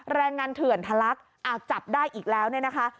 แรงงานเถื่อนทัลลักษณ์อาจจับได้อีกแล้วนะคะ